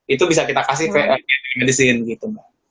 itu bisa kita kasih via telemedicine gitu